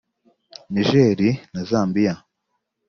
Niger na Zambia